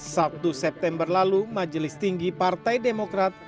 sabtu september lalu majelis tinggi partai demokrat